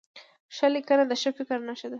ښه لیکنه د ښه فکر نښه ده.